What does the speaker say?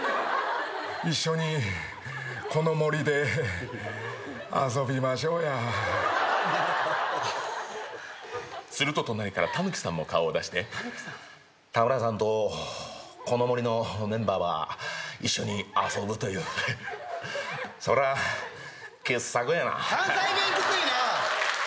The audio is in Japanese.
一緒にこの森で遊びましょうやすると隣からタヌキさんも顔を出して田村さんとこの森のメンバーは一緒に遊ぶというそら傑作やな関西弁きついな！